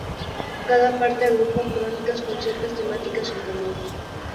Cada parte agrupa crónicas con ciertas temáticas en común.